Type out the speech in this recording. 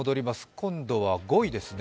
今度は５位ですね。